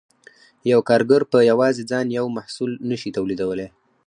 یو کارګر په یوازې ځان یو محصول نشي تولیدولی